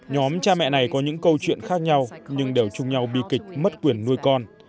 nhóm cha mẹ này có những câu chuyện khác nhau nhưng đều chung nhau bi kịch mất quyền nuôi con